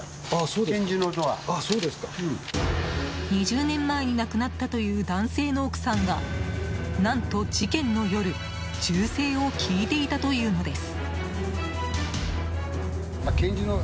２０年前に亡くなったという男性の奥さんが何と、事件の夜銃声を聞いていたというのです。